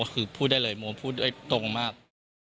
คือพูดได้เลยโมพูดด้วยตรงมาก